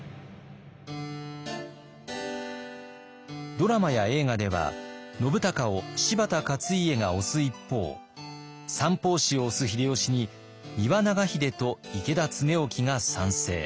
ドラマや映画では信孝を柴田勝家が推す一方三法師を推す秀吉に丹羽長秀と池田恒興が賛成。